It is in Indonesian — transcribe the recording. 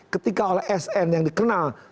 ketika oleh sn yang dikenal